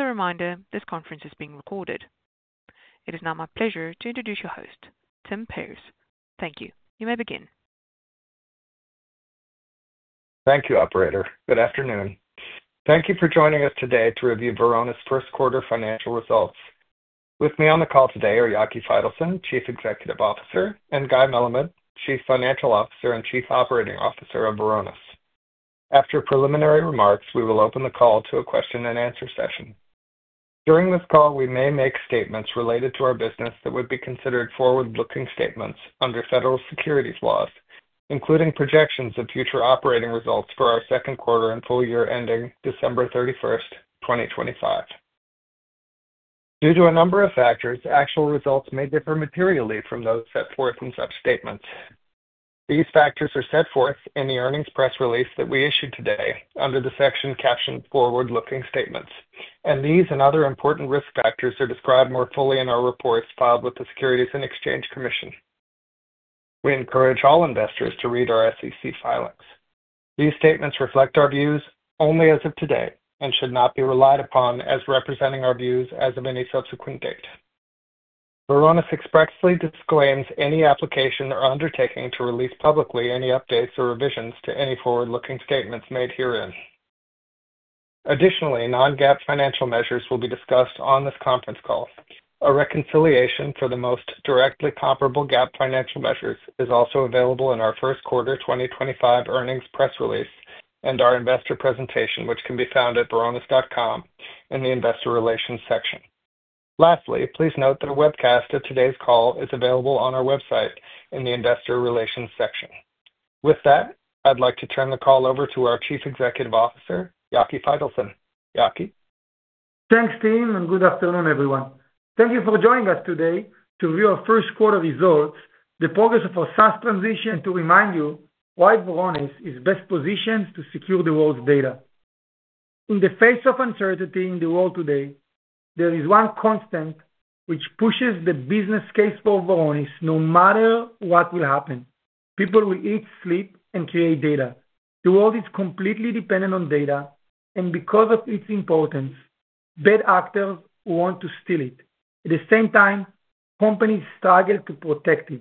As a reminder, this conference is being recorded. It is now my pleasure to introduce your host, Tim Perz. Thank you. You may begin. Thank you, Operator. Good afternoon. Thank you for joining us today to review Varonis' first-quarter financial results. With me on the call today are Yaki Faitelson, Chief Executive Officer, and Guy Melamed, Chief Financial Officer and Chief Operating Officer of Varonis. After preliminary remarks, we will open the call to a question-and-answer session. During this call, we may make statements related to our business that would be considered forward-looking statements under federal securities laws, including projections of future operating results for our second quarter and full year ending December 31st, 2025. Due to a number of factors, actual results may differ materially from those set forth in such statements. These factors are set forth in the earnings press release that we issued today under the section captioned "Forward-looking Statements," and these and other important risk factors are described more fully in our reports filed with the Securities and Exchange Commission. We encourage all investors to read our SEC filings. These statements reflect our views only as of today and should not be relied upon as representing our views as of any subsequent date. Varonis expressly disclaims any application or undertaking to release publicly any updates or revisions to any forward-looking statements made herein. Additionally, non-GAAP financial measures will be discussed on this conference call. A reconciliation for the most directly comparable GAAP financial measures is also available in our first quarter 2025 earnings press release and our investor presentation, which can be found at varonis.com in the investor relations section. Lastly, please note that a webcast of today's call is available on our website in the investor relations section. With that, I'd like to turn the call over to our Chief Executive Officer, Yaki Faitelson. Yaki? Thanks, Tim, and good afternoon, everyone. Thank you for joining us today to view our first-quarter results, the progress of our SaaS transition, and to remind you why Varonis is best positioned to secure the world's data. In the face of uncertainty in the world today, there is one constant which pushes the business case for Varonis no matter what will happen. People will eat, sleep, and create data. The world is completely dependent on data, and because of its importance, bad actors want to steal it. At the same time, companies struggle to protect it.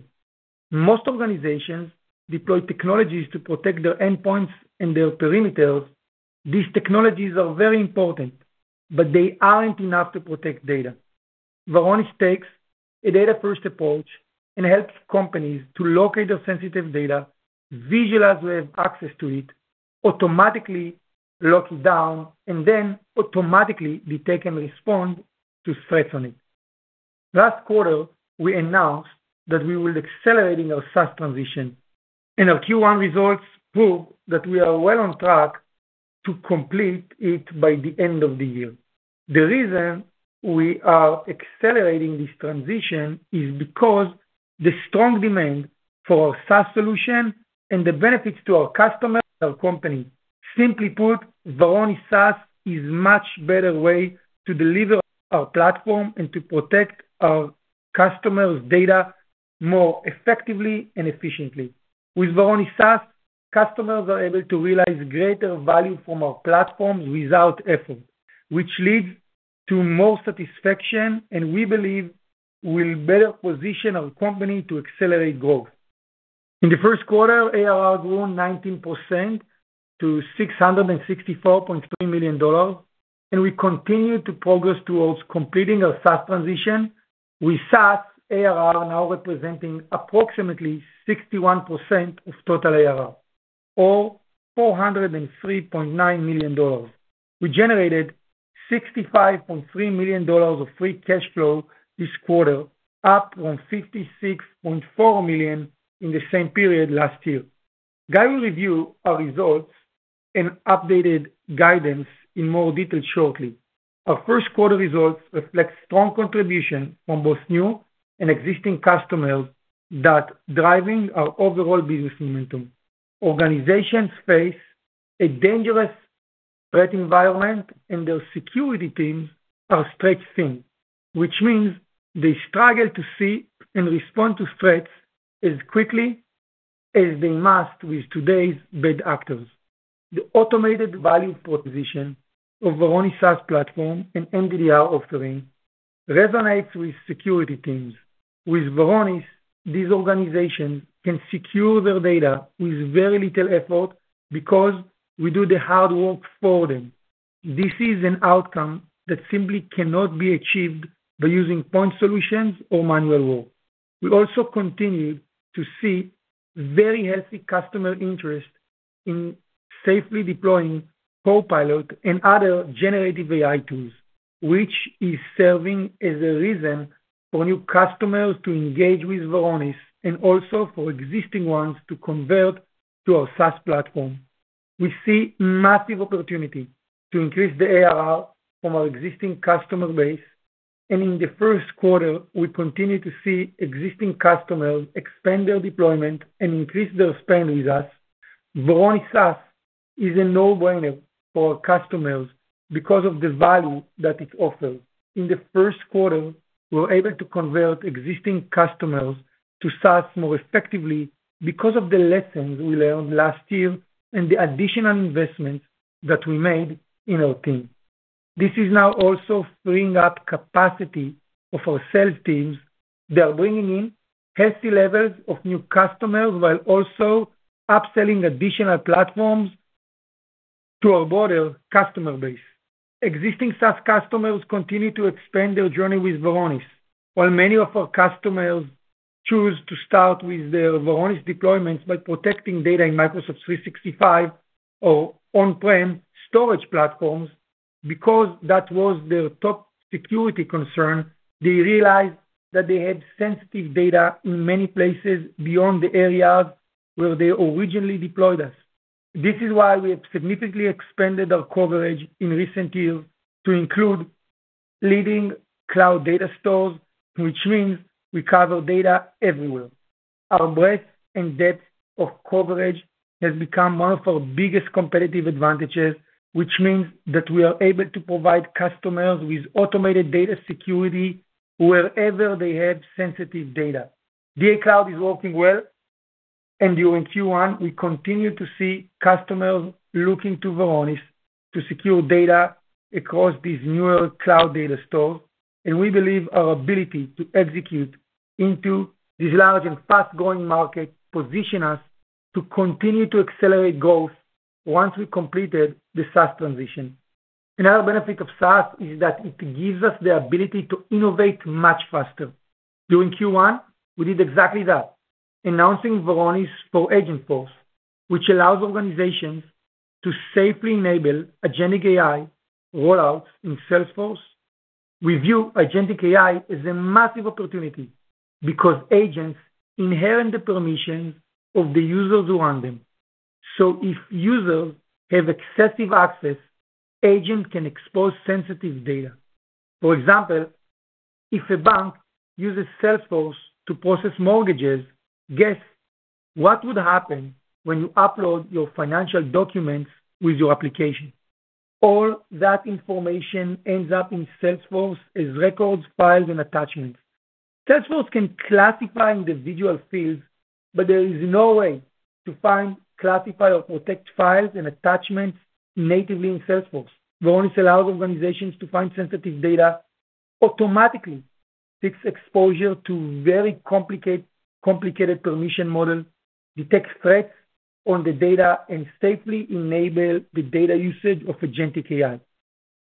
Most organizations deploy technologies to protect their endpoints and their perimeters. These technologies are very important, but they aren't enough to protect data. Varonis takes a data-first approach and helps companies to locate their sensitive data, visualize where they have access to it, automatically lock it down, and then automatically detect and respond to threats on it. Last quarter, we announced that we will be accelerating our SaaS transition, and our Q1 results prove that we are well on track to complete it by the end of the year. The reason we are accelerating this transition is because of the strong demand for our SaaS solution and the benefits to our customers and our company. Simply put, Varonis SaaS is a much better way to deliver our platform and to protect our customers' data more effectively and efficiently. With Varonis SaaS, customers are able to realize greater value from our platform without effort, which leads to more satisfaction, and we believe will better position our company to accelerate growth. In the first quarter, ARR grew 19% to $664.3 million, and we continue to progress towards completing our SaaS transition with SaaS ARR now representing approximately 61% of total ARR, or $403.9 million. We generated $65.3 million of free cash flow this quarter, up from $56.4 million in the same period last year. Guy will review our results and updated guidance in more detail shortly. Our first-quarter results reflect strong contributions from both new and existing customers that are driving our overall business momentum. Organizations face a dangerous threat environment, and their security teams are stretched thin, which means they struggle to see and respond to threats as quickly as they must with today's bad actors. The automated value proposition of Varonis SaaS platform and MDDR offering resonates with security teams. With Varonis, these organizations can secure their data with very little effort because we do the hard work for them. This is an outcome that simply cannot be achieved by using point solutions or manual work. We also continue to see very healthy customer interest in safely deploying Copilot and other generative AI tools, which is serving as a reason for new customers to engage with Varonis and also for existing ones to convert to our SaaS platform. We see massive opportunity to increase the ARR from our existing customer base, and in the first quarter, we continue to see existing customers expand their deployment and increase their spend with us. Varonis SaaS is a no-brainer for our customers because of the value that it offers. In the first quarter, we were able to convert existing customers to SaaS more effectively because of the lessons we learned last year and the additional investments that we made in our team. This is now also freeing up capacity of our sales teams. They are bringing in healthy levels of new customers while also upselling additional platforms to our broader customer base. Existing SaaS customers continue to expand their journey with Varonis, while many of our customers choose to start with their Varonis deployments by protecting data in Microsoft 365 or On-Prem storage platforms because that was their top security concern. They realized that they had sensitive data in many places beyond the areas where they originally deployed us. This is why we have significantly expanded our coverage in recent years to include leading cloud data stores, which means we cover data everywhere. Our breadth and depth of coverage has become one of our biggest competitive advantages, which means that we are able to provide customers with automated data security wherever they have sensitive data. DA Cloud is working well, and during Q1, we continue to see customers looking to Varonis to secure data across these newer cloud data stores, and we believe our ability to execute into this large and fast-growing market positions us to continue to accelerate growth once we completed the SaaS transition. Another benefit of SaaS is that it gives us the ability to innovate much faster. During Q1, we did exactly that, announcing Varonis for Agentforce, which allows organizations to safely enable agentic AI rollouts in Salesforce. We view agentic AI as a massive opportunity because agents inherit the permissions of the users who run them. If users have excessive access, agents can expose sensitive data. For example, if a bank uses Salesforce to process mortgages, guess what would happen when you upload your financial documents with your application? All that information ends up in Salesforce as records, files, and attachments. Salesforce can classify individual fields, but there is no way to find, classify, or protect files and attachments natively in Salesforce. Varonis allows organizations to find sensitive data automatically, fix exposure to very complicated permission models, detect threats on the data, and safely enable the data usage of agentic AI.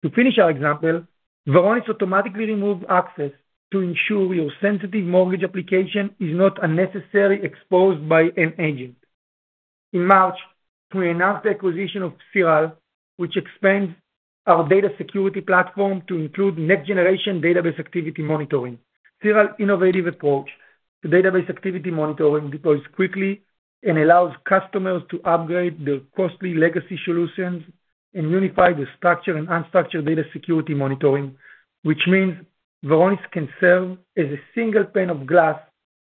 To finish our example, Varonis automatically removes access to ensure your sensitive mortgage application is not unnecessarily exposed by an agent. In March, we announced the acquisition of Cyral, which expands our Data Security Platform to include next-generation database activity monitoring. Cyral's innovative approach to database activity monitoring deploys quickly and allows customers to upgrade their costly legacy solutions and unify the structured and unstructured data security monitoring, which means Varonis can serve as a single pane of glass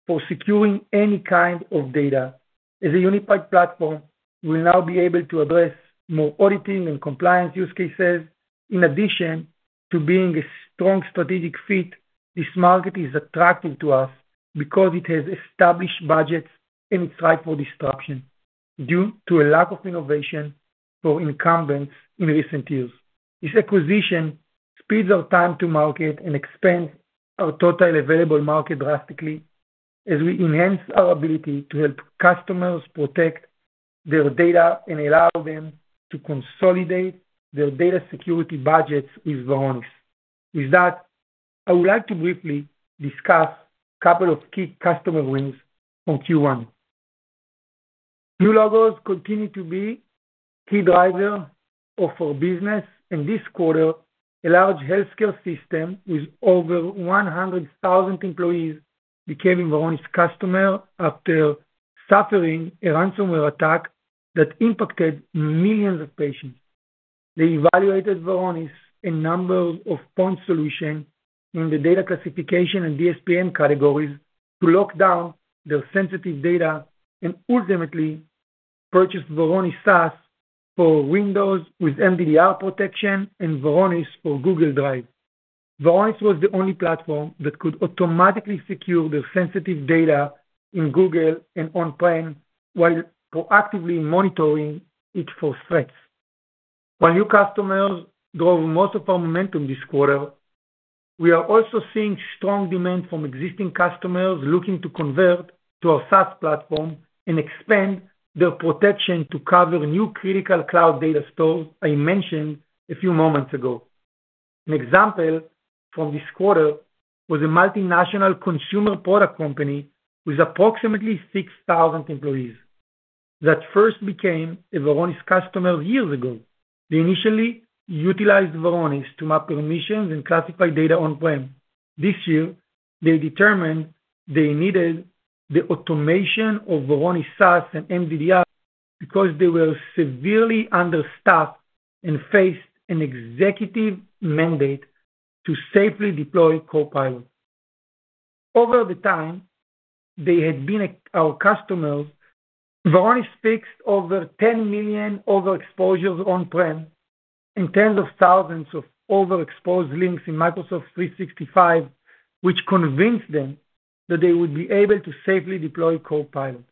for securing any kind of data. As a unified platform, we will now be able to address more auditing and compliance use cases. In addition to being a strong strategic fit, this market is attractive to us because it has established budgets and it's ripe for disruption due to a lack of innovation for incumbents in recent years. This acquisition speeds our time to market and expands our total available market drastically as we enhance our ability to help customers protect their data and allow them to consolidate their data security budgets with Varonis. With that, I would like to briefly discuss a couple of key customer wins from Q1. New logos continue to be a key driver for business, and this quarter, a large healthcare system with over 100,000 employees became a Varonis customer after suffering a ransomware attack that impacted millions of patients. They evaluated Varonis and a number of point solutions in the data classification and DSPM categories to lock down their sensitive data and ultimately purchased Varonis SaaS for Windows with MDDR protection and Varonis for Google Drive. Varonis was the only platform that could automatically secure their sensitive data in Google and On-Prem while proactively monitoring it for threats. While new customers drove most of our momentum this quarter, we are also seeing strong demand from existing customers looking to convert to our SaaS platform and expand their protection to cover new critical cloud data stores I mentioned a few moments ago. An example from this quarter was a multinational consumer product company with approximately 6,000 employees that first became a Varonis customer years ago. They initially utilized Varonis to map permissions and classify data On-Prem. This year, they determined they needed the automation of Varonis SaaS and MDDR because they were severely understaffed and faced an executive mandate to safely deploy Copilot. Over the time they had been our customers, Varonis fixed over 10 million overexposures On-Prem and tens of thousands of overexposed links in Microsoft 365, which convinced them that they would be able to safely deploy Copilot.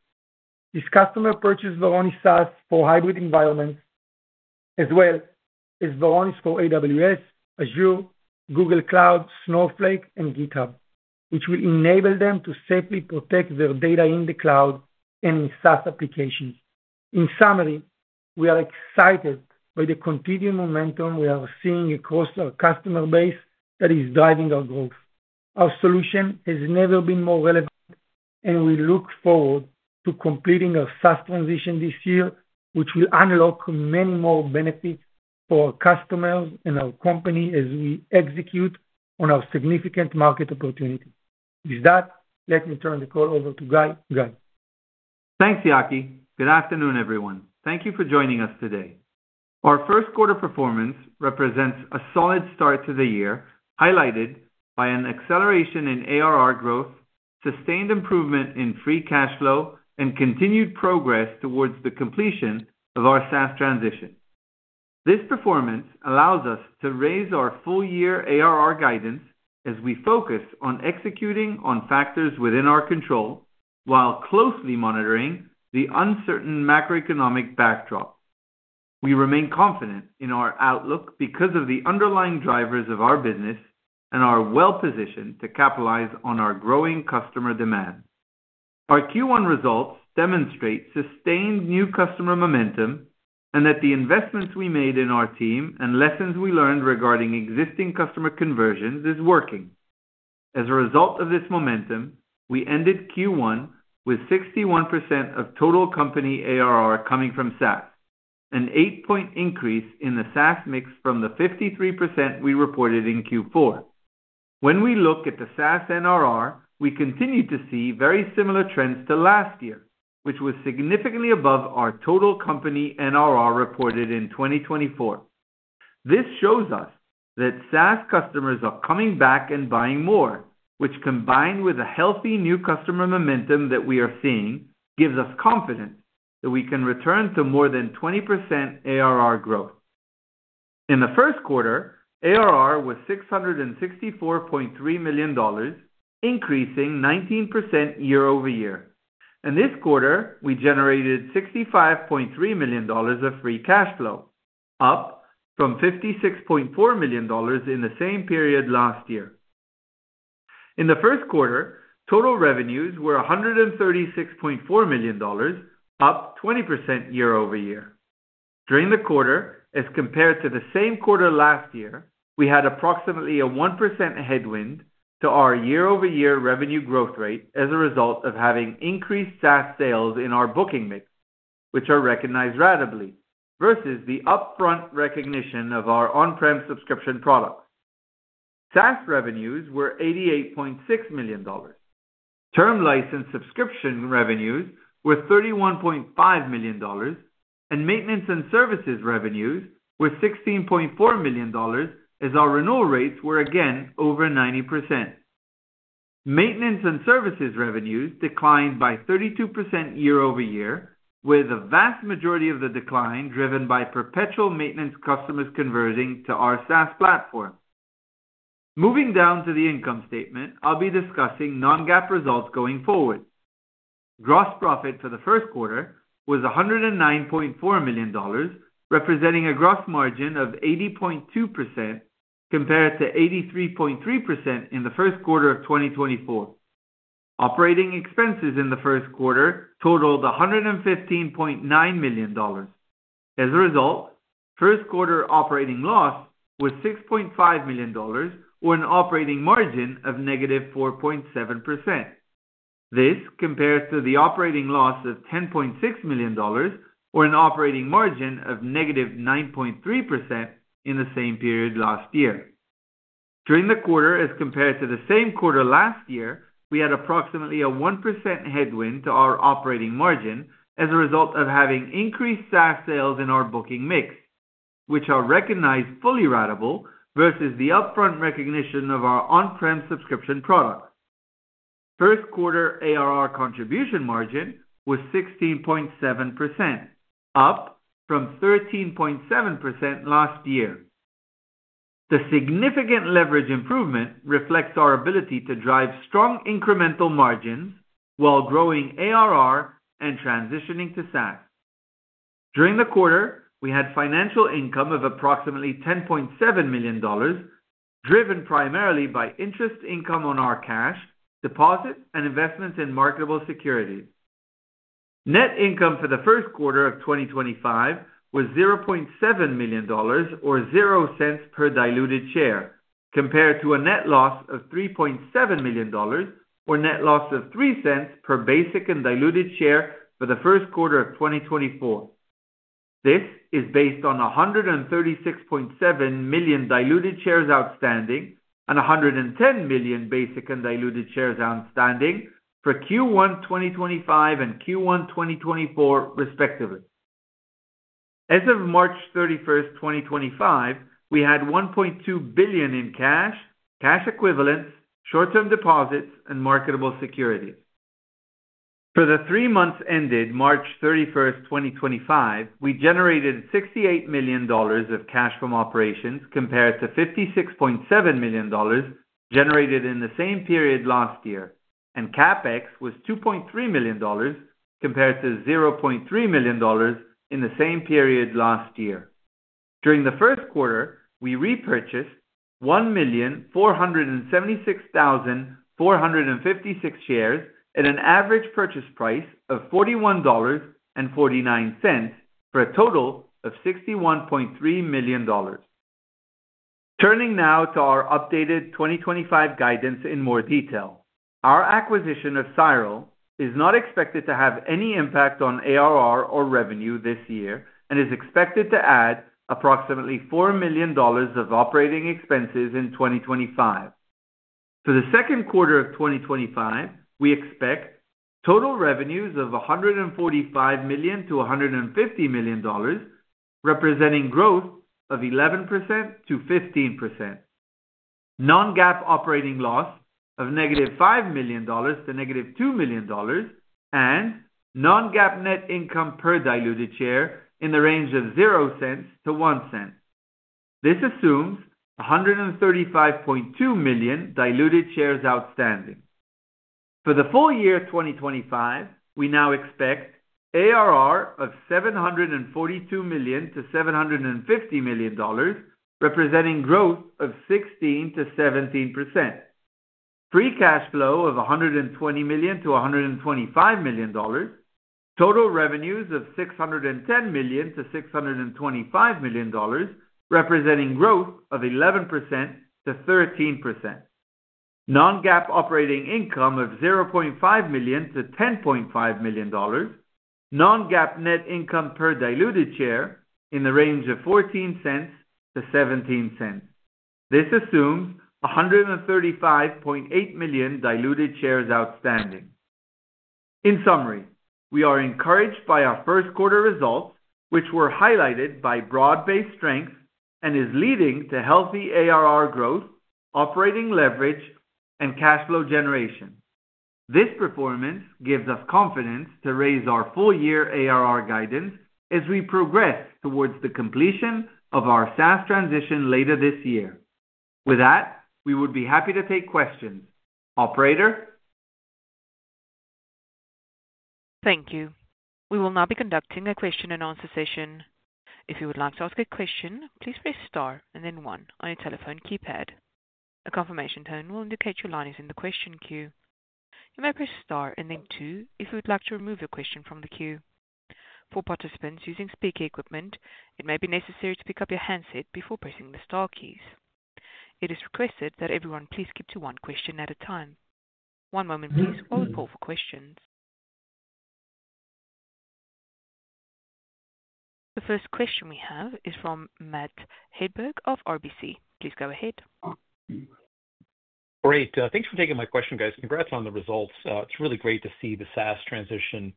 This customer purchased Varonis SaaS for hybrid environments, as well as Varonis for AWS, Azure, Google Cloud, Snowflake, and GitHub, which will enable them to safely protect their data in the cloud and in SaaS applications. In summary, we are excited by the continued momentum we are seeing across our customer base that is driving our growth. Our solution has never been more relevant, and we look forward to completing our SaaS transition this year, which will unlock many more benefits for our customers and our company as we execute on our significant market opportunity. With that, let me turn the call over to Guy. Thanks, Yaki. Good afternoon, everyone. Thank you for joining us today. Our first quarter performance represents a solid start to the year, highlighted by an acceleration in ARR growth, sustained improvement in free cash flow, and continued progress towards the completion of our SaaS transition. This performance allows us to raise our full-year ARR guidance as we focus on executing on factors within our control while closely monitoring the uncertain macroeconomic backdrop. We remain confident in our outlook because of the underlying drivers of our business and are well-positioned to capitalize on our growing customer demand. Our Q1 results demonstrate sustained new customer momentum and that the investments we made in our team and lessons we learned regarding existing customer conversions are working. As a result of this momentum, we ended Q1 with 61% of total company ARR coming from SaaS, an eight-point increase in the SaaS mix from the 53% we reported in Q4. When we look at the SaaS NRR, we continue to see very similar trends to last year, which was significantly above our total company NRR reported in 2024. This shows us that SaaS customers are coming back and buying more, which, combined with a healthy new customer momentum that we are seeing, gives us confidence that we can return to more than 20% ARR growth. In the first quarter, ARR was $664.3 million, increasing 19% year-over-year. In this quarter, we generated $65.3 million of free cash flow, up from $56.4 million in the same period last year. In the first quarter, total revenues were $136.4 million, up 20% year-over-year. During the quarter, as compared to the same quarter last year, we had approximately a 1% headwind to our year-over-year revenue growth rate as a result of having increased SaaS sales in our booking mix, which are recognized ratably versus the upfront recognition of our On-Prem subscription products. SaaS revenues were $88.6 million. Term license subscription revenues were $31.5 million, and maintenance and services revenues were $16.4 million as our renewal rates were again over 90%. Maintenance and services revenues declined by 32% year-over-year, with a vast majority of the decline driven by perpetual maintenance customers converting to our SaaS platform. Moving down to the income statement, I'll be discussing non-GAAP results going forward. Gross profit for the first quarter was $109.4 million, representing a gross margin of 80.2% compared to 83.3% in the first quarter of 2024. Operating expenses in the first quarter totaled $115.9 million. As a result, first quarter operating loss was $6.5 million, or an operating margin of -4.7%. This compared to the operating loss of $10.6 million, or an operating margin of -9.3% in the same period last year. During the quarter, as compared to the same quarter last year, we had approximately a 1% headwind to our operating margin as a result of having increased SaaS sales in our booking mix, which are recognized fully ratable versus the upfront recognition of our On-Prem subscription products. First quarter ARR contribution margin was 16.7%, up from 13.7% last year. The significant leverage improvement reflects our ability to drive strong incremental margins while growing ARR and transitioning to SaaS. During the quarter, we had financial income of approximately $10.7 million, driven primarily by interest income on our cash, deposits, and investments in marketable securities. Net income for the first quarter of 2025 was $0.7 million, or $0.00 per diluted share, compared to a net loss of $3.7 million, or net loss of $0.03 per basic and diluted share for the first quarter of 2024. This is based on 136.7 million diluted shares outstanding and 110 million basic and diluted shares outstanding for Q1 2025 and Q1 2024, respectively. As of March 31st, 2025, we had $1.2 billion in cash, cash equivalents, short-term deposits, and marketable securities. For the three months ended March 31st, 2025, we generated $68 million of cash from operations compared to $56.7 million generated in the same period last year, and CapEx was $2.3 million compared to $0.3 million in the same period last year. During the first quarter, we repurchased 1,476,456 shares at an average purchase price of $41.49 for a total of $61.3 million. Turning now to our updated 2025 guidance in more detail, our acquisition of Cyral is not expected to have any impact on ARR or revenue this year and is expected to add approximately $4 million of operating expenses in 2025. For the second quarter of 2025, we expect total revenues of $145 million-$150 million, representing growth of 11%-15%. Non-GAAP operating loss of -$5 million--$2 million, and non-GAAP net income per diluted share in the range of $0.00-$0.01. This assumes 135.2 million diluted shares outstanding. For the full year 2025, we now expect ARR of $742 million-$750 million, representing growth of 16%-17%. Free cash flow of $120 million-$125 million. Total revenues of $610 million-$625 million, representing growth of 11%-13%. Non-GAAP operating income of $0.5 million-$10.5 million. Non-GAAP net income per diluted share in the range of $0.14-$0.17. This assumes 135.8 million diluted shares outstanding. In summary, we are encouraged by our first quarter results, which were highlighted by broad-based strength and is leading to healthy ARR growth, operating leverage, and cash flow generation. This performance gives us confidence to raise our full-year ARR guidance as we progress towards the completion of our SaaS transition later this year. With that, we would be happy to take questions. Operator. Thank you. We will now be conducting a question-and-answer session. If you would like to ask a question, please press star and then one on your telephone keypad. A confirmation tone will indicate your line is in the question queue. You may press star and then two if you would like to remove your question from the queue. For participants using speaker equipment, it may be necessary to pick up your handset before pressing the star keys. It is requested that everyone please keep to one question at a time. One moment, please, while we call for questions. The first question we have is from Matt Hedberg of RBC. Please go ahead. Great. Thanks for taking my question, guys. Congrats on the results. It's really great to see the SaaS transition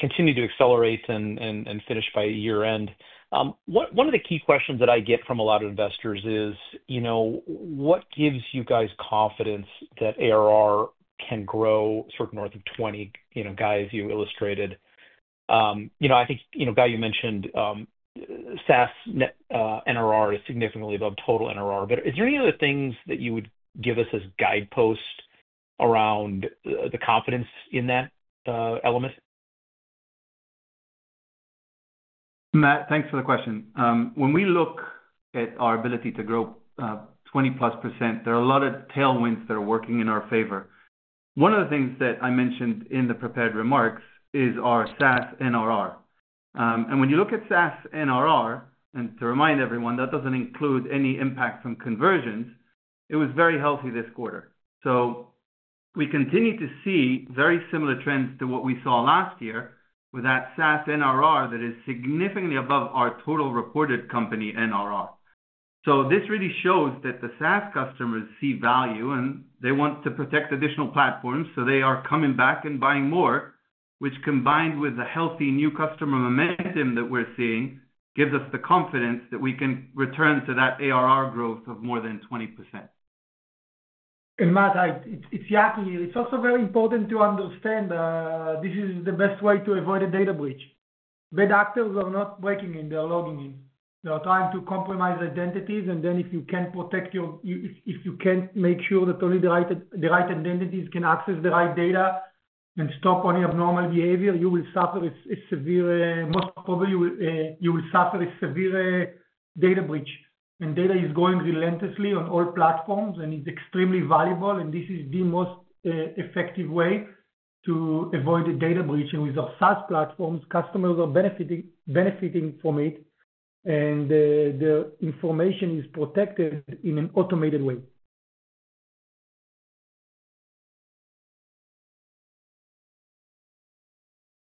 continue to accelerate and finish by year-end. One of the key questions that I get from a lot of investors is, you know, what gives you guys confidence that ARR can grow sort of north of 20%, you know, Guy, as you illustrated? You know, I think, you know, Guy, you mentioned SaaS net NRR is significantly above total NRR, but is there any other things that you would give us as guideposts around the confidence in that element? Matt, thanks for the question. When we look at our ability to grow 20-plus %, there are a lot of tailwinds that are working in our favor. One of the things that I mentioned in the prepared remarks is our SaaS NRR. And when you look at SaaS NRR, and to remind everyone, that does not include any impact from conversions, it was very healthy this quarter. We continue to see very similar trends to what we saw last year with that SaaS NRR that is significantly above our total reported company NRR. This really shows that the SaaS customers see value, and they want to protect additional platforms, so they are coming back and buying more, which, combined with the healthy new customer momentum that we are seeing, gives us the confidence that we can return to that ARR growth of more than 20%. And Matt, it is Yaki. It's also very important to understand this is the best way to avoid a data breach. Bad actors are not breaking in. They're logging in. They're trying to compromise identities, and then if you can't protect your—if you can't make sure that only the right identities can access the right data and stop any abnormal behavior, you will suffer a severe—most probably, you will suffer a severe data breach. Data is going relentlessly on all platforms, and it's extremely valuable, and this is the most effective way to avoid a data breach. With our SaaS platforms, customers are benefiting from it, and their information is protected in an automated way.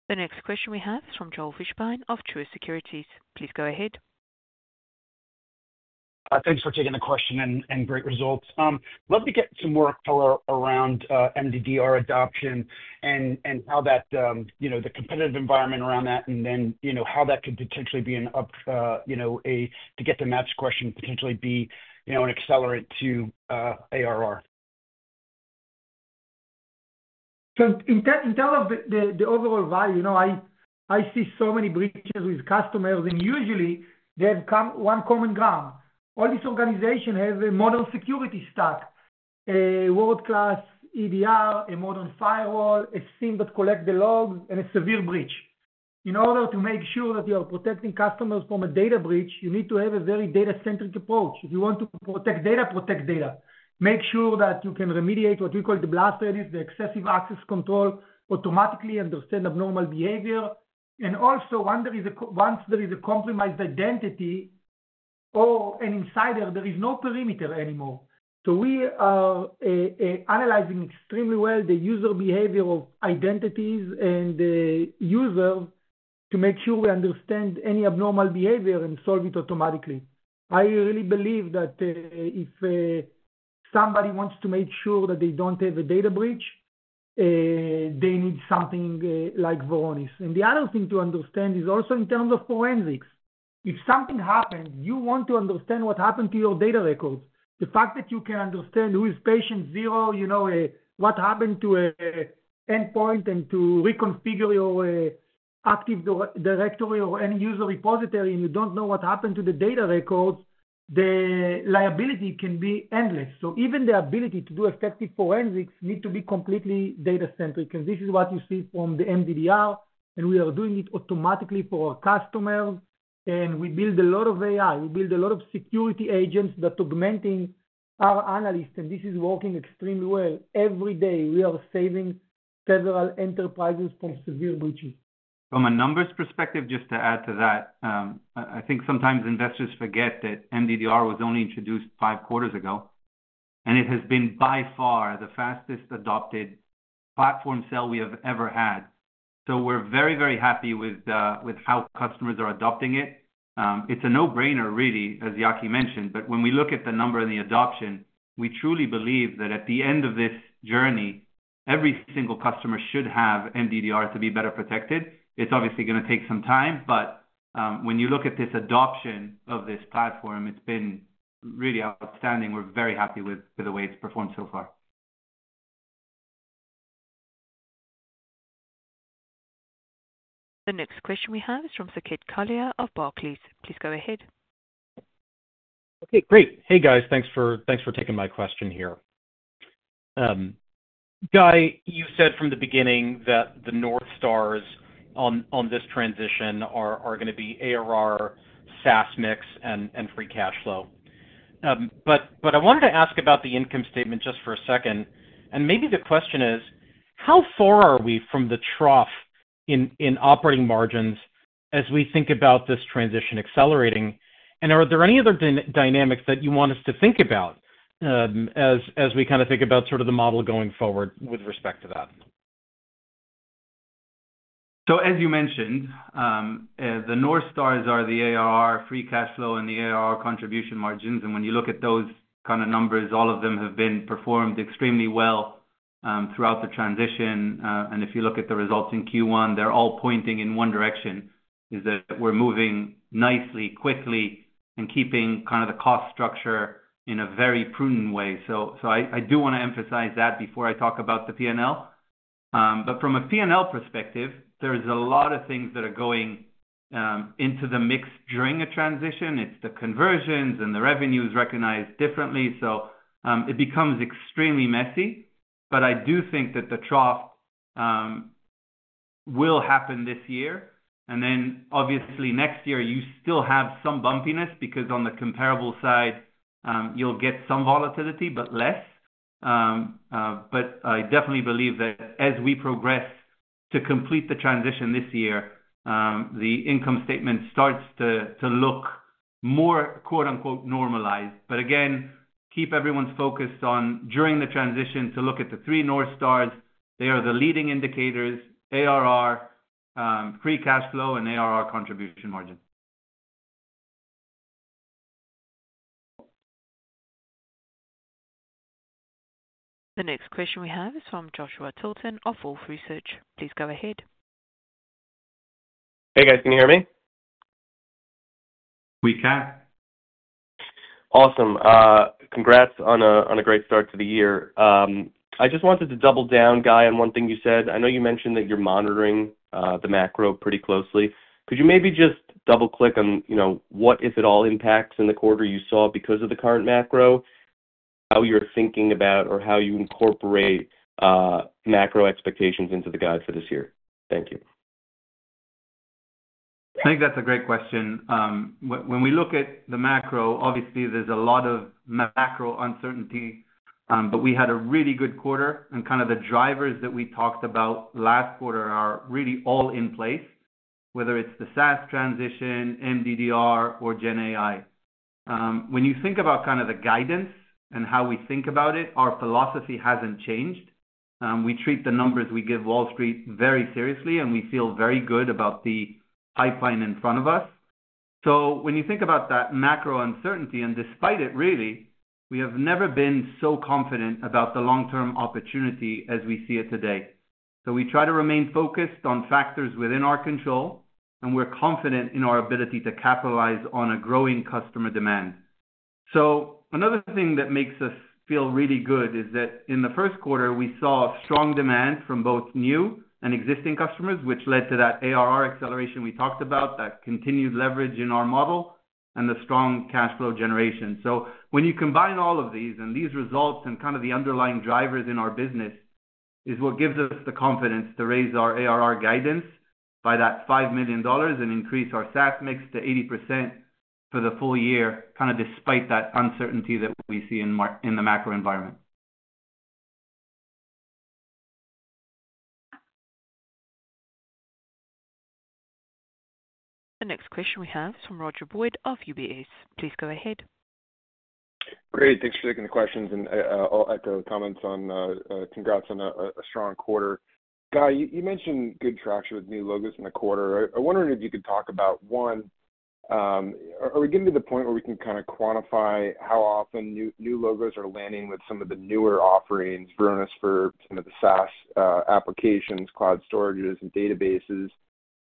The next question we have is from Joel Fishbein of Truist Securities. Please go ahead. Thanks for taking the question and great results. Let me get some more color around MDDR adoption and how that—you know, the competitive environment around that—and then, you know, how that could potentially be an up—you know, a—to get the match question potentially be, you know, an accelerant to ARR. In terms of the overall value, you know, I see so many breaches with customers, and usually, they have come to one common ground. All these organizations have a modern security stack: a world-class EDR, a modern firewall, a SIEM that collects the logs, and a severe breach. In order to make sure that you are protecting customers from a data breach, you need to have a very data-centric approach. If you want to protect data, protect data. Make sure that you can remediate what we call the blast radius, the excessive access control, automatically understand abnormal behavior. Once there is a compromised identity or an insider, there is no perimeter anymore. We are analyzing extremely well the user behavior of identities and users to make sure we understand any abnormal behavior and solve it automatically. I really believe that if somebody wants to make sure that they do not have a data breach, they need something like Varonis. The other thing to understand is also in terms of forensics. If something happens, you want to understand what happened to your data records. The fact that you can understand who is patient zero, you know, what happened to an endpoint, and to reconfigure your active directory or end-user repository, and you do not know what happened to the data records, the liability can be endless. Even the ability to do effective forensics needs to be completely data-centric, and this is what you see from the MDDR, and we are doing it automatically for our customers, and we build a lot of AI. We build a lot of security agents that are augmenting our analysts, and this is working extremely well. Every day, we are saving several enterprises from severe breaches. From a numbers perspective, just to add to that, I think sometimes investors forget that MDDR was only introduced five quarters ago, and it has been by far the fastest adopted platform sale we have ever had. We are very, very happy with how customers are adopting it. It's a no-brainer, really, as Yaki mentioned, but when we look at the number and the adoption, we truly believe that at the end of this journey, every single customer should have MDDR to be better protected. It's obviously going to take some time, but when you look at this adoption of this platform, it's been really outstanding. We're very happy with the way it's performed so far. The next question we have is from Sir Kit Collier of Barclays. Please go ahead. Okay, great. Hey, guys, thanks for taking my question here. Guy, you said from the beginning that the North Stars on this transition are going to be ARR, SaaS mix, and free cash flow. I wanted to ask about the income statement just for a second, and maybe the question is, how far are we from the trough in operating margins as we think about this transition accelerating? Are there any other dynamics that you want us to think about as we kind of think about sort of the model going forward with respect to that? As you mentioned, the North Stars are the ARR, free cash flow, and the ARR contribution margins, and when you look at those kind of numbers, all of them have been performed extremely well throughout the transition. If you look at the results in Q1, they're all pointing in one direction, that we're moving nicely, quickly, and keeping kind of the cost structure in a very prudent way. I do want to emphasize that before I talk about the P&L. From a P&L perspective, there's a lot of things that are going into the mix during a transition. It's the conversions, and the revenue is recognized differently, so it becomes extremely messy. I do think that the trough will happen this year, and then, obviously, next year, you still have some bumpiness because on the comparable side, you'll get some volatility, but less. I definitely believe that as we progress to complete the transition this year, the income statement starts to look more "normalized." Again, keep everyone's focus on, during the transition, to look at the three North Stars. They are the leading indicators: ARR, free cash flow, and ARR contribution margin. The next question we have is from Joshua Tilton of Wolfe Research. Please go ahead. Hey, guys, can you hear me? We can. Awesome. Congrats on a great start to the year. I just wanted to double down, Guy, on one thing you said. I know you mentioned that you're monitoring the macro pretty closely. Could you maybe just double-click on what, if at all, impacts in the quarter you saw because of the current macro, how you're thinking about or how you incorporate macro expectations into the guide for this year? Thank you. I think that's a great question. When we look at the macro, obviously, there's a lot of macro uncertainty, but we had a really good quarter, and kind of the drivers that we talked about last quarter are really all in place, whether it's the SaaS transition, MDDR, or GenAI. When you think about kind of the guidance and how we think about it, our philosophy hasn't changed. We treat the numbers we give Wall Street very seriously, and we feel very good about the pipeline in front of us. When you think about that macro uncertainty, and despite it, really, we have never been so confident about the long-term opportunity as we see it today. We try to remain focused on factors within our control, and we're confident in our ability to capitalize on a growing customer demand. Another thing that makes us feel really good is that in the first quarter, we saw strong demand from both new and existing customers, which led to that ARR acceleration we talked about, that continued leverage in our model, and the strong cash flow generation. When you combine all of these and these results and kind of the underlying drivers in our business is what gives us the confidence to raise our ARR guidance by that $5 million and increase our SaaS mix to 80% for the full year, kind of despite that uncertainty that we see in the macro environment. The next question we have is from Roger Boyd of UBS. Please go ahead. Great. Thanks for taking the questions, and I'll echo the comments on congrats on a strong quarter. Guy, you mentioned good traction with new logos in the quarter. I wondered if you could talk about, one, are we getting to the point where we can kind of quantify how often new logos are landing with some of the newer offerings, Varonis for some of the SaaS applications, cloud storages, and databases?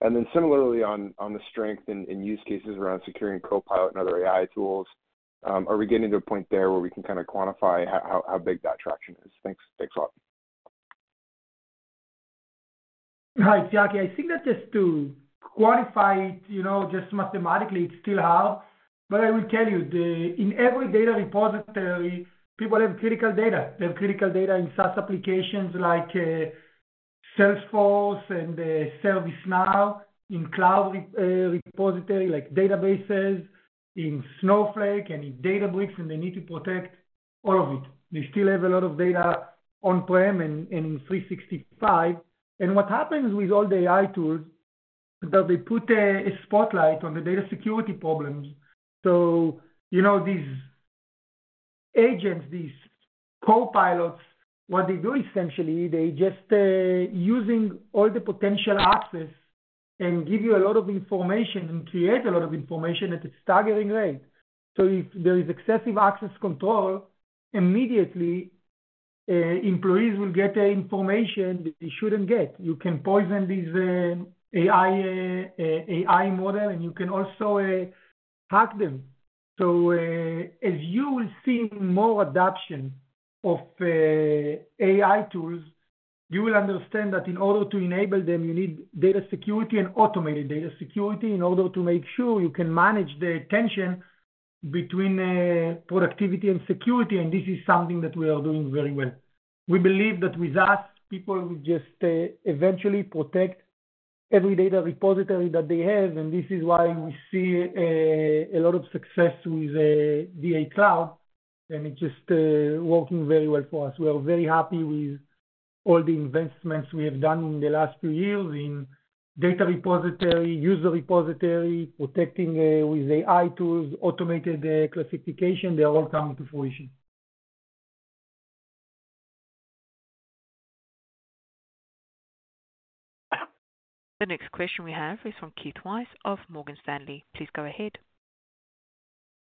Then similarly, on the strength and use cases around securing Copilot and other AI tools, are we getting to a point there where we can kind of quantify how big that traction is? Thanks a lot. Hi, it's Yaki. I think that just to quantify it, you know, just mathematically, it's still hard. But I will tell you, in every data repository, people have critical data. They have critical data in SaaS applications like Salesforce and ServiceNow, in cloud repository like databases, in Snowflake, and in Databricks, and they need to protect all of it. They still have a lot of data On-Prem and in 365. What happens with all the AI tools is that they put a spotlight on the data security problems. You know, these agents, these Copilots, what they do essentially, they just use all the potential access and give you a lot of information and create a lot of information at a staggering rate. If there is excessive access control, immediately employees will get the information they shouldn't get. You can poison this AI model, and you can also hack them. As you will see more adoption of AI tools, you will understand that in order to enable them, you need data security and automated data security in order to make sure you can manage the tension between productivity and security, and this is something that we are doing very well. We believe that with us, people will just eventually protect every data repository that they have, and this is why we see a lot of success with DA Cloud, and it's just working very well for us. We are very happy with all the investments we have done in the last few years in data repository, user repository, protecting with AI tools, automated classification. They're all coming to fruition. The next question we have is from Keith Weiss of Morgan Stanley. Please go ahead.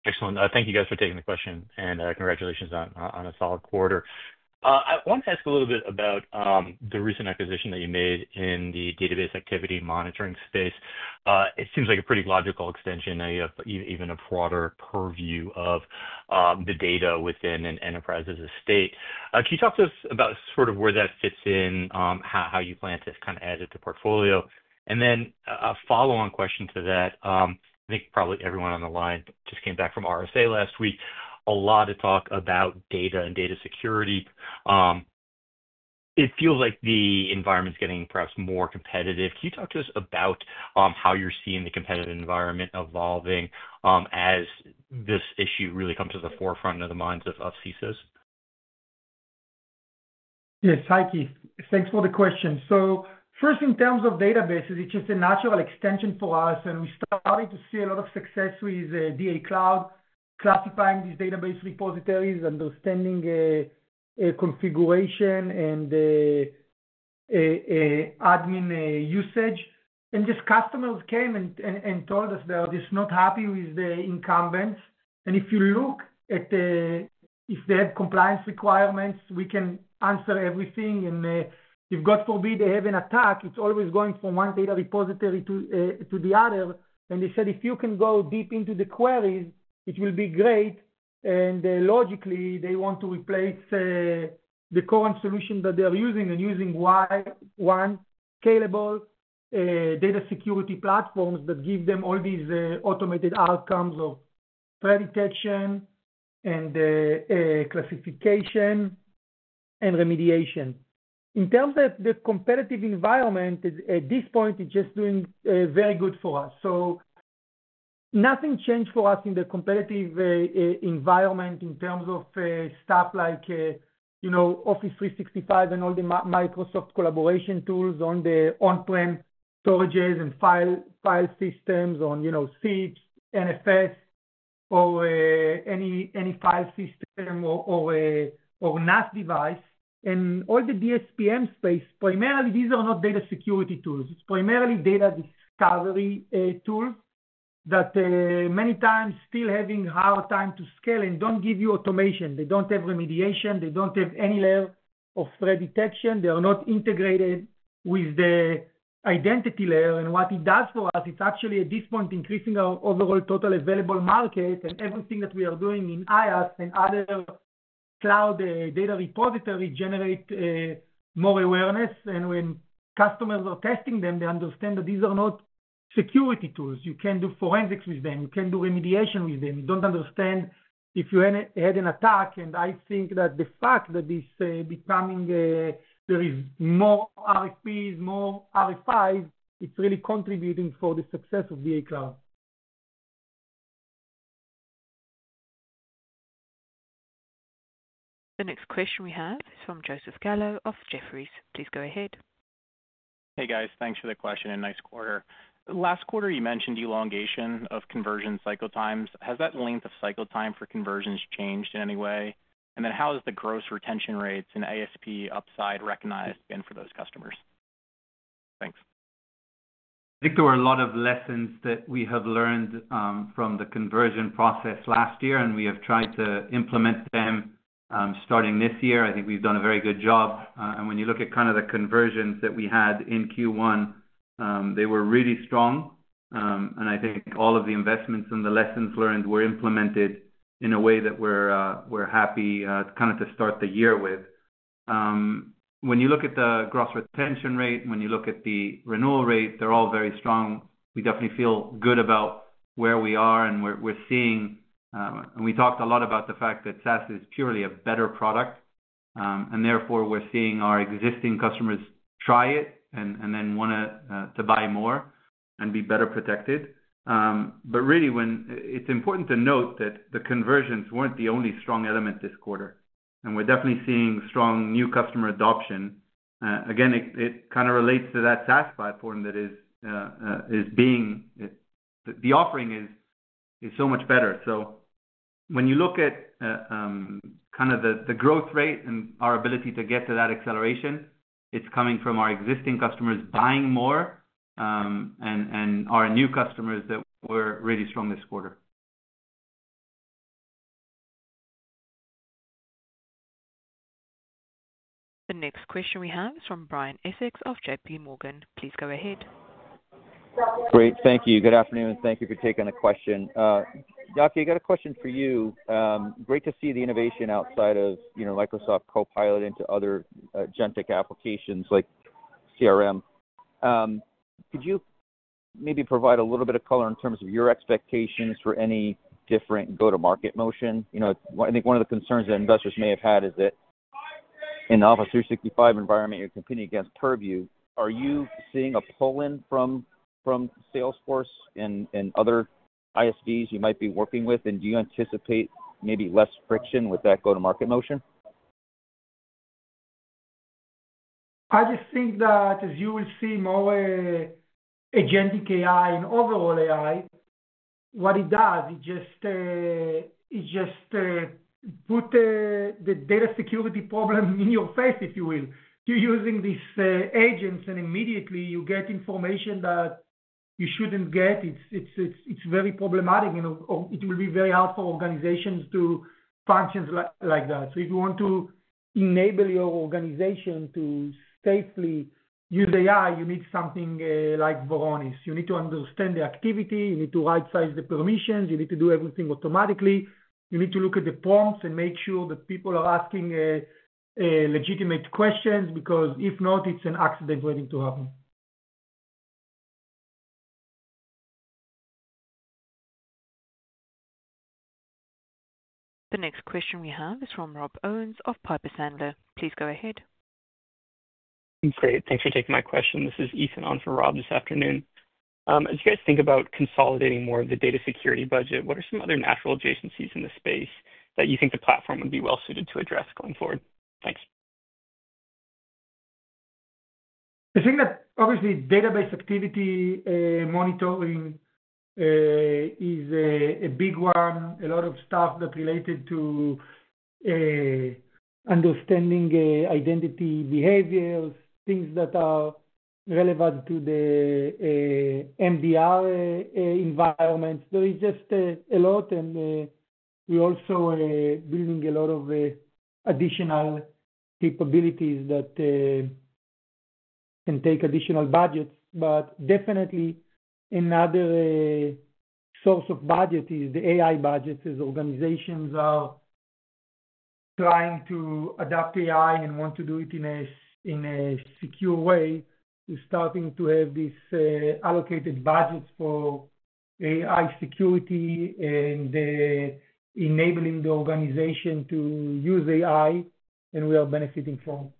Excellent. Thank you guys for taking the question, and congratulations on a solid quarter. I want to ask a little bit about the recent acquisition that you made in the database activity monitoring space. It seems like a pretty logical extension, even a broader purview of the data within an enterprise as a state. Can you talk to us about sort of where that fits in, how you plan to kind of add it to the portfolio? A follow-on question to that, I think probably everyone on the line just came back from RSA last week, a lot of talk about data and data security. It feels like the environment's getting perhaps more competitive. Can you talk to us about how you're seeing the competitive environment evolving as this issue really comes to the forefront of the minds of CISOs? Yes, Hiki. Thanks for the question. First, in terms of databases, it's just a natural extension for us, and we started to see a lot of success with DA Cloud, classifying these database repositories, understanding configuration and admin usage. Customers came and told us they are just not happy with the incumbents. If you look at if they have compliance requirements, we can answer everything. If God forbid they have an attack, it's always going from one data repository to the other. They said, "If you can go deep into the queries, it will be great." Logically, they want to replace the current solution that they're using and use one scalable data security platform that gives them all these automated outcomes of threat detection and classification and remediation. In terms of the competitive environment, at this point, it's just doing very good for us. Nothing changed for us in the competitive environment in terms of stuff like Office 365 and all the Microsoft collaboration tools on the On-Prem storages and file systems on CIFS, NFS, or any file system or NAS device. All the DSPM space, primarily, these are not data security tools. It's primarily data discovery tools that many times still have a hard time to scale and don't give you automation. They don't have remediation. They don't have any layer of threat detection. They are not integrated with the identity layer. What it does for us, it's actually at this point increasing our overall total available market, and everything that we are doing in IaaS and other cloud data repositories generates more awareness. When customers are testing them, they understand that these are not security tools. You can do forensics with them. You can do remediation with them. You don't understand if you had an attack. I think that the fact that this is becoming there is more RFPs, more RFIs, it's really contributing for the success of DA Cloud. The next question we have is from Joseph Gallo of Jefferies. Please go ahead. Hey, guys. Thanks for the question. Nice quarter. Last quarter, you mentioned elongation of conversion cycle times. Has that length of cycle time for conversions changed in any way? How has the gross retention rates and ASP upside recognized been for those customers? Thanks. I think there were a lot of lessons that we have learned from the conversion process last year, and we have tried to implement them starting this year. I think we've done a very good job. When you look at kind of the conversions that we had in Q1, they were really strong. I think all of the investments and the lessons learned were implemented in a way that we're happy kind of to start the year with. When you look at the gross retention rate, when you look at the renewal rate, they're all very strong. We definitely feel good about where we are and we're seeing. We talked a lot about the fact that SaaS is purely a better product, and therefore we're seeing our existing customers try it and then want to buy more and be better protected. It is important to note that the conversions were not the only strong element this quarter. We are definitely seeing strong new customer adoption. Again, it kind of relates to that SaaS platform, that is, the offering is so much better. When you look at the growth rate and our ability to get to that acceleration, it is coming from our existing customers buying more and our new customers that were really strong this quarter. The next question we have is from Brian Essex of JP Morgan. Please go ahead. Great. Thank you. Good afternoon, and thank you for taking the question. Yaki, I got a question for you. Great to see the innovation outside of Microsoft Copilot into other agentic applications like CRM. Could you maybe provide a little bit of color in terms of your expectations for any different go-to-market motion? I think one of the concerns that investors may have had is that in the Office 365 environment, you're competing against Purview. Are you seeing a pull-in from Salesforce and other ISVs you might be working with? Do you anticipate maybe less friction with that go-to-market motion? I just think that as you will see more agentic AI and overall AI, what it does, it just puts the data security problem in your face, if you will. You're using these agents, and immediately you get information that you shouldn't get. It's very problematic, and it will be very hard for organizations to function like that. If you want to enable your organization to safely use AI, you need something like Varonis. You need to understand the activity. You need to right-size the permissions. You need to do everything automatically. You need to look at the prompts and make sure that people are asking legitimate questions because if not, it's an accident waiting to happen. The next question we have is from Rob Owens of Piper Sandler. Please go ahead. Great. Thanks for taking my question. This is Ethan on for Rob this afternoon. As you guys think about consolidating more of the data security budget, what are some other natural adjacencies in the space that you think the platform would be well-suited to address going forward? Thanks. I think that obviously database activity monitoring is a big one. A lot of stuff that's related to understanding identity behaviors, things that are relevant to the MDR environment. There is just a lot, and we're also building a lot of additional capabilities that can take additional budgets. Definitely, another source of budget is the AI budgets as organizations are trying to adopt AI and want to do it in a secure way. We're starting to have these allocated budgets for AI security and enabling the organization to use AI, and we are benefiting from.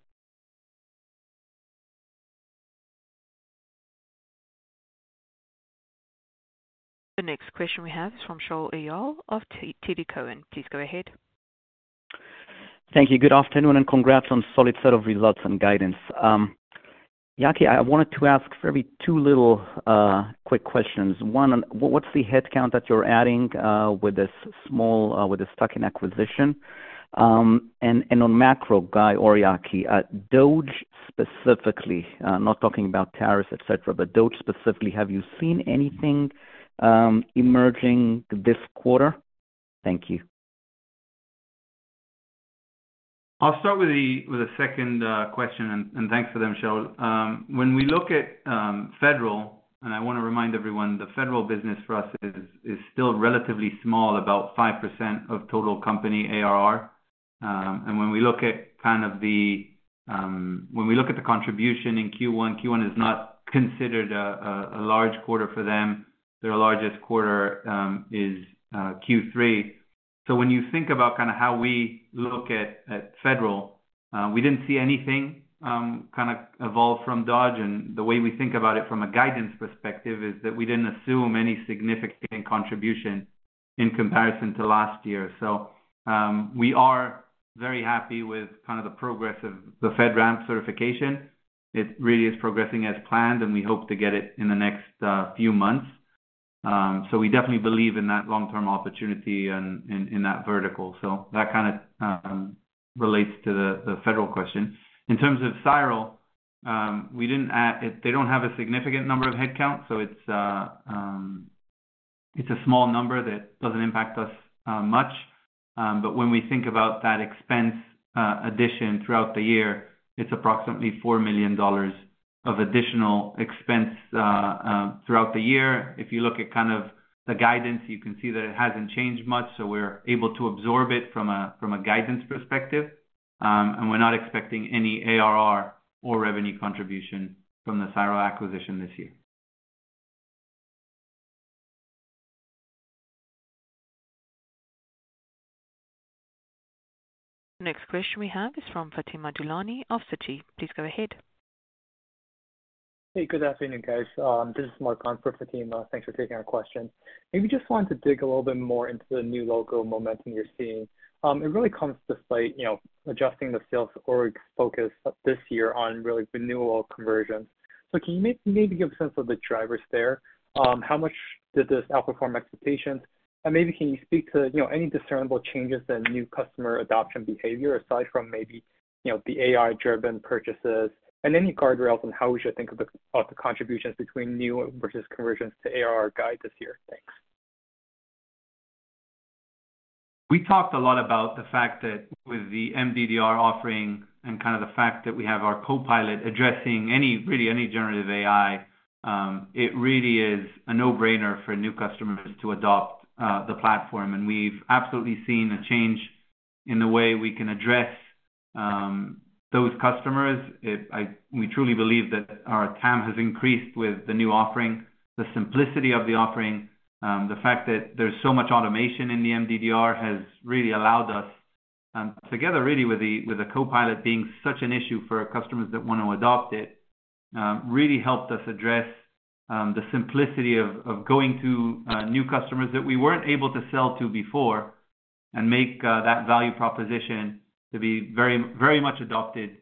The next question we have is from Shaul Eyal of TD Cowen. Please go ahead. Thank you. Good afternoon, and congrats on a solid set of results and guidance. Yaki, I wanted to ask maybe two little quick questions. One, what's the headcount that you're adding with this stocking acquisition? On macro, Guy or Yaki, DOGE specifically, not talking about tariffs, etc., but DOGE specifically, have you seen anything emerging this quarter? Thank you. I'll start with the second question, and thanks for them, Shaul. When we look at federal, and I want to remind everyone, the federal business for us is still relatively small, about 5% of total company ARR. When we look at the contribution in Q1, Q1 is not considered a large quarter for them. Their largest quarter is Q3. When you think about how we look at federal, we didn't see anything evolve from DOGE. The way we think about it from a guidance perspective is that we didn't assume any significant contribution in comparison to last year. We are very happy with kind of the progress of the FedRAMP certification. It really is progressing as planned, and we hope to get it in the next few months. We definitely believe in that long-term opportunity in that vertical. That kind of relates to the federal question. In terms of Cyral, they do not have a significant number of headcounts, so it is a small number that does not impact us much. When we think about that expense addition throughout the year, it is approximately $4 million of additional expense throughout the year. If you look at kind of the guidance, you can see that it has not changed much, so we are able to absorb it from a guidance perspective. We are not expecting any ARR or revenue contribution from the Cyral acquisition this year. The next question we have is from Fatima Boolani of Citi. Please go ahead. Hey, good afternoon, guys. This is Marc-Anne for Fatima. Thanks for taking our question. Maybe just wanted to dig a little bit more into the new logo momentum you're seeing. It really comes despite adjusting the sales org's focus this year on really renewal conversions. Can you maybe give a sense of the drivers there? How much did this outperform expectations? Can you speak to any discernible changes in new customer adoption behavior aside from maybe the AI-driven purchases and any guardrails on how we should think about the contributions between new versus conversions to ARR, Guy, this year? Thanks. We talked a lot about the fact that with the MDDR offering and kind of the fact that we have our Copilot addressing really any generative AI, it really is a no-brainer for new customers to adopt the platform. We have absolutely seen a change in the way we can address those customers. We truly believe that our time has increased with the new offering. The simplicity of the offering, the fact that there is so much automation in the MDDR has really allowed us, together really with the Copilot being such an issue for customers that want to adopt it, really helped us address the simplicity of going to new customers that we were not able to sell to before and make that value proposition to be very much adopted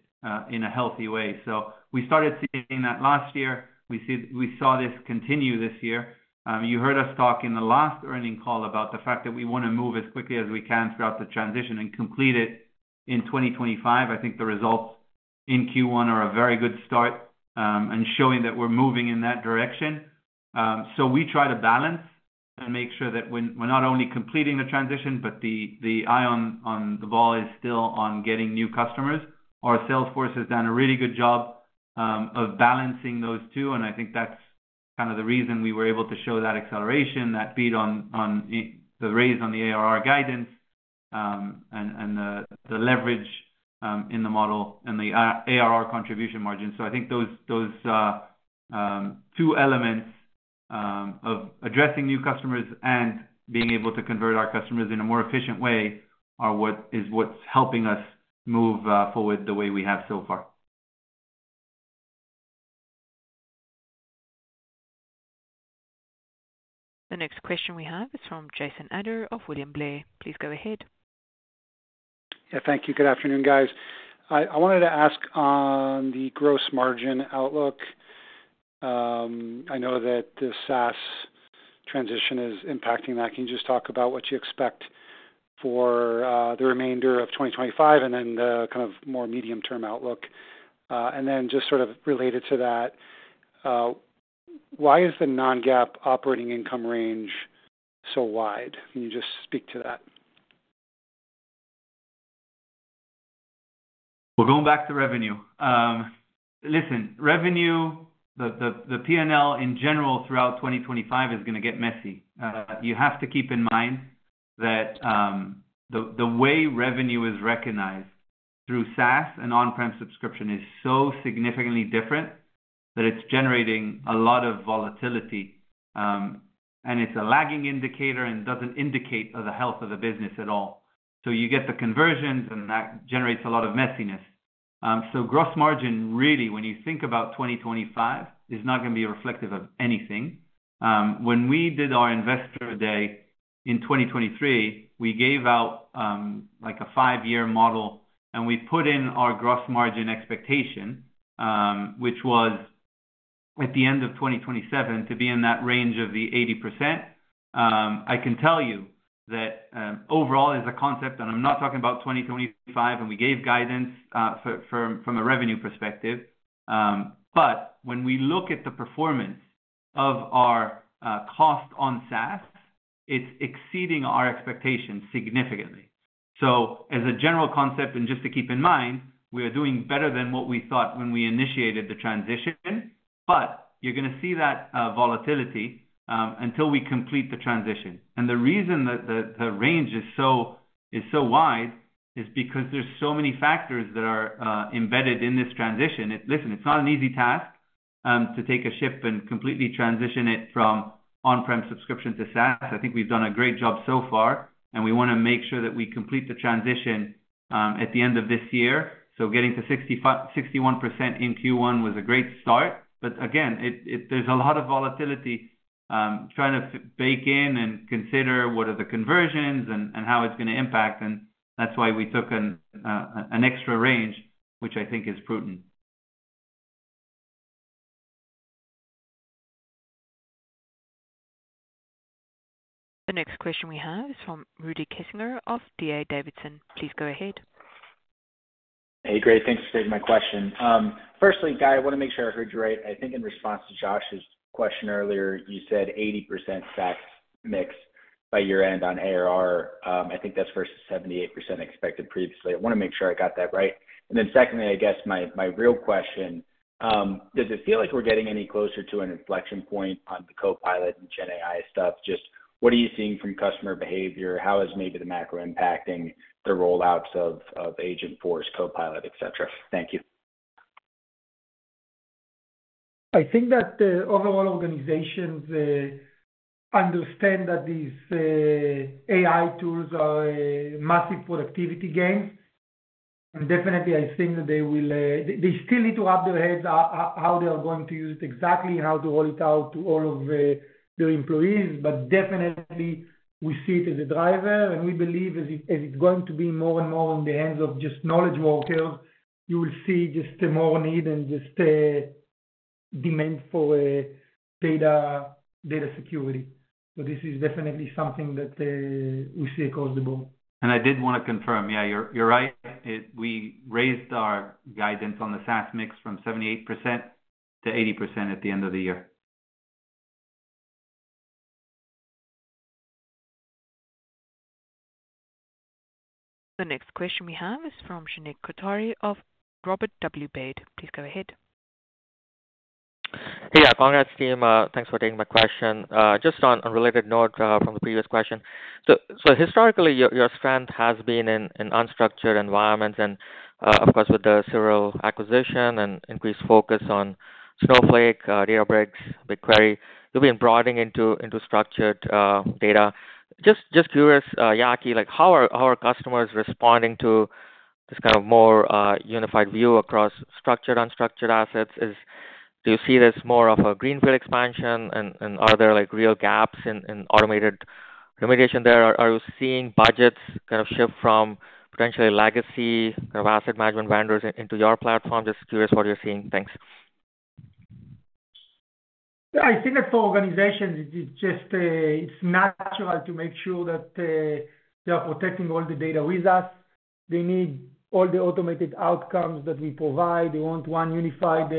in a healthy way. We started seeing that last year. We saw this continue this year. You heard us talk in the last earnings call about the fact that we want to move as quickly as we can throughout the transition and complete it in 2025. I think the results in Q1 are a very good start and showing that we're moving in that direction. We try to balance and make sure that we're not only completing the transition, but the eye on the ball is still on getting new customers. Our sales force has done a really good job of balancing those two. I think that's kind of the reason we were able to show that acceleration, that beat on the raise on the ARR guidance and the leverage in the model and the ARR contribution margin. I think those two elements of addressing new customers and being able to convert our customers in a more efficient way are what is what's helping us move forward the way we have so far. The next question we have is from Jason Ader of William Blair. Please go ahead. Yeah, thank you. Good afternoon, guys. I wanted to ask on the gross margin outlook. I know that the SaaS transition is impacting that. Can you just talk about what you expect for the remainder of 2025 and then the kind of more medium-term outlook? And then just sort of related to that, why is the non-GAAP operating income range so wide? Can you just speak to that? Going back to revenue. Listen, revenue, the P&L in general throughout 2025 is going to get messy. You have to keep in mind that the way revenue is recognized through SaaS and On-Prem subscription is so significantly different that it's generating a lot of volatility. It's a lagging indicator and doesn't indicate the health of the business at all. You get the conversions, and that generates a lot of messiness. Gross margin, really, when you think about 2025, is not going to be reflective of anything. When we did our investor day in 2023, we gave out a five-year model, and we put in our gross margin expectation, which was at the end of 2027 to be in that range of the 80%. I can tell you that overall is a concept, and I'm not talking about 2025, and we gave guidance from a revenue perspective. When we look at the performance of our cost on SaaS, it's exceeding our expectations significantly. As a general concept, and just to keep in mind, we are doing better than what we thought when we initiated the transition, but you're going to see that volatility until we complete the transition. The reason that the range is so wide is because there's so many factors that are embedded in this transition. Listen, it's not an easy task to take a ship and completely transition it from On-Prem subscription to SaaS. I think we've done a great job so far, and we want to make sure that we complete the transition at the end of this year. Getting to 61% in Q1 was a great start. Again, there's a lot of volatility trying to bake in and consider what are the conversions and how it's going to impact. That's why we took an extra range, which I think is prudent. The next question we have is from Rudy Kessinger of D.A. Davidson. Please go ahead. Hey, great. Thanks for taking my question. Firstly, Guy, I want to make sure I heard you right. I think in response to Josh's question earlier, you said 80% stack mix by year-end on ARR. I think that's versus 78% expected previously. I want to make sure I got that right. Then secondly, I guess my real question, does it feel like we're getting any closer to an inflection point on the Copilot and GenAI stuff? Just what are you seeing from customer behavior? How is maybe the macro impacting the rollouts of Agentforce, Copilot, etc.? Thank you. I think that the overall organizations understand that these AI tools are massive productivity gains. I think that they will still need to wrap their heads around how they are going to use it exactly and how to roll it out to all of their employees. We see it as a driver. We believe as it's going to be more and more in the hands of just knowledge workers, you will see just more need and just demand for data security. This is definitely something that we see across the board. I did want to confirm, yeah, you're right. We raised our guidance on the SaaS mix from 78%-80% at the end of the year. The next question we have is from Shrenik Kothari of Robert W. Baird. Please go ahead. Hey, congrats, team. Thanks for taking my question. Just on a related note from the previous question. Historically, your strength has been in unstructured environments. Of course, with the Cyral acquisition and increased focus on Snowflake, Databricks, BigQuery, you've been broadening into structured data. Just curious, Yaki, how are customers responding to this kind of more unified view across structured, unstructured assets? Do you see this more of a greenfield expansion, and are there real gaps in automated remediation there? Are you seeing budgets kind of shift from potentially legacy kind of asset management vendors into your platform? Just curious what you're seeing. Thanks. Yeah, I think that for organizations, it's natural to make sure that they are protecting all the data with us. They need all the automated outcomes that we provide. They want one unified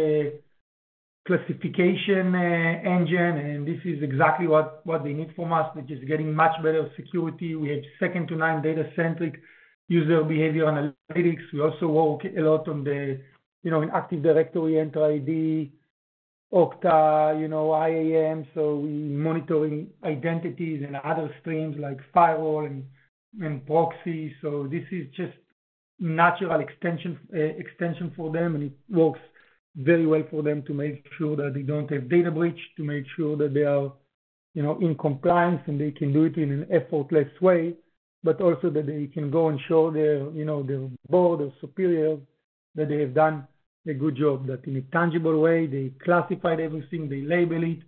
classification engine, and this is exactly what they need from us. They're just getting much better security. We have second-to-none data-centric user behavior analytics. We also work a lot on the Active Directory, Entra ID, Okta, IAM. We are monitoring identities and other streams like firewall and proxy. This is just a natural extension for them, and it works very well for them to make sure that they do not have data breaches, to make sure that they are in compliance and they can do it in an effortless way, but also that they can go and show their board or superiors that they have done a good job, that in a tangible way, they classified everything, they label it,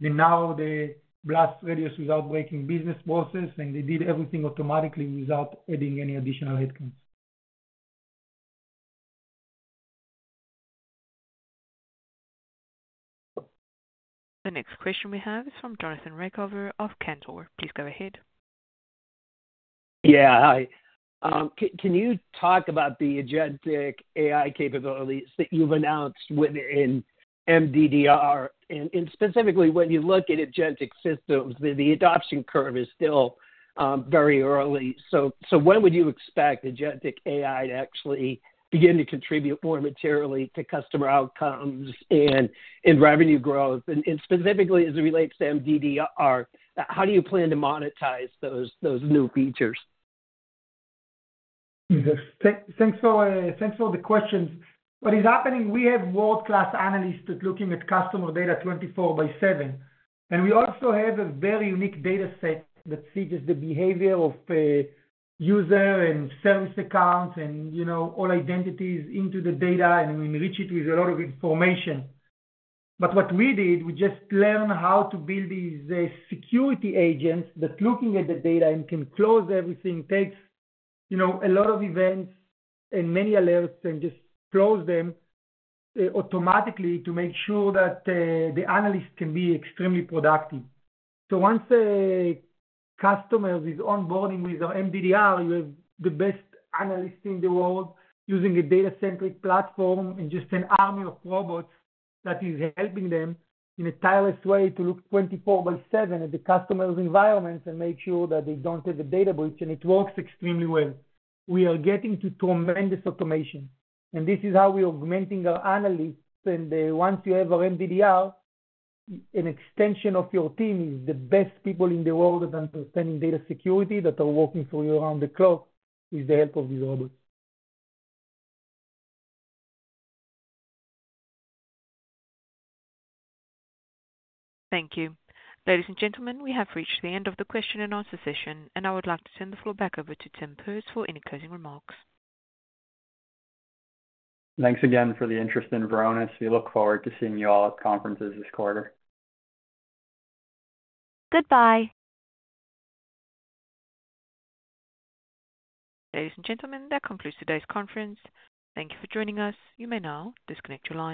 they narrow the blast radius without breaking business process, and they did everything automatically without adding any additional headcounts. The next question we have is from Jonathan Ruykhaver of Cantor. Please go ahead. Yeah, hi. Can you talk about the agentic AI capabilities that you have announced within MDDR? And specifically, when you look at agentic systems, the adoption curve is still very early. When would you expect agentic AI to actually begin to contribute more materially to customer outcomes and revenue growth? Specifically, as it relates to MDDR, how do you plan to monetize those new features? Thanks for the questions. What is happening? We have world-class analysts that are looking at customer data 24 by 7. We also have a very unique dataset that sees the behavior of user and service accounts and all identities into the data and enrich it with a lot of information. What we did, we just learned how to build these security agents that look at the data and can close everything. It takes a lot of events and many alerts and just close them automatically to make sure that the analysts can be extremely productive. Once customers are onboarding with MDDR, you have the best analysts in the world using a data-centric platform and just an army of robots that is helping them in a tireless way to look 24/7 at the customer's environments and make sure that they do not have a data breach. It works extremely well. We are getting to tremendous automation. This is how we are augmenting our analysts. Once you have our MDDR, an extension of your team is the best people in the world at understanding data security that are working for you around the clock with the help of these robots. Thank you. Ladies and gentlemen, we have reached the end of the question and answer session, and I would like to turn the floor back over to Tim Perz for any closing remarks. Thanks again for the interest in Varonis. We look forward to seeing you all at conferences this quarter. Goodbye. Ladies and gentlemen, that concludes today's conference. Thank you for joining us. You may now disconnect your line.